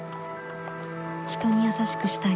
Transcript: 人に優しくしたい